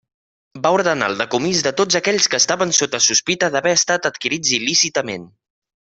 Va ordenar el decomís de tots aquells que estaven sota sospita d'haver estat adquirits il·lícitament.